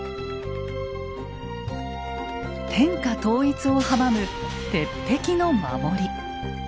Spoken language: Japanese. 天下統一を阻む鉄壁の守り。